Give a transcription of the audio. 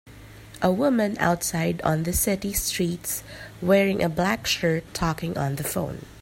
A woman outside on the city streets wearing a black shirt talking on the phone.